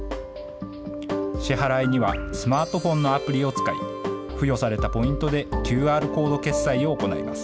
支払いにはスマートフォンのアプリを使い、付与されたポイントでＱＲコード決済を行います。